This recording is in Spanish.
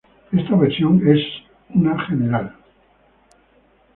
Esta versión es una general.